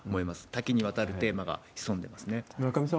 多岐にわたるテーマが潜んでますね。